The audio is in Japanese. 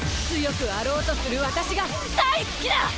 強くあろうとする私が大好きだ！